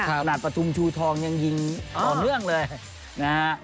ถนัดประทุมชูทองยังยิงต่อเนื่องเลย